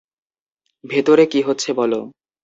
ভেতরে কী হচ্ছে বলো।